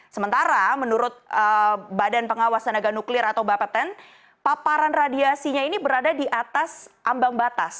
sementara menurut badan pengawas tenaga nuklir atau bapeten paparan radiasinya ini berada di atas ambang batas